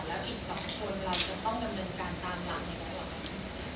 แล้วอีก๒คนเราจะต้องกำเนินการตามร้านอยู่แล้วครับ